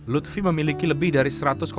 kursi seperti burada kayak ginkgo